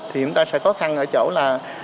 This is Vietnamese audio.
thì chúng ta sẽ khó khăn ở chỗ là